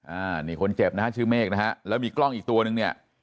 อ่านี่คนเจ็บนะฮะชื่อเมฆนะฮะแล้วมีกล้องอีกตัวนึงเนี่ย